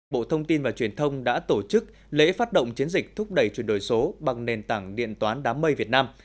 bộ thông tin và truyền thông đã tổ chức lễ phát động chiến dịch thúc đẩy chuyển đổi số bằng nền tảng điện toán đám mây việt nam